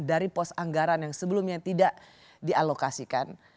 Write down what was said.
dari pos anggaran yang sebelumnya tidak dialokasikan